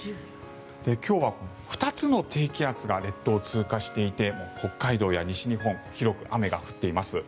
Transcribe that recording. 今日は２つの低気圧が列島を通過していて北海道や西日本広く雨が降っています。